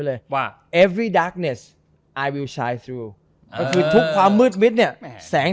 ไว้เลยว่าเอเวรี่ดาคเนสไอวิวชายทรูคือทุกความมืดมิดเนี่ยแสง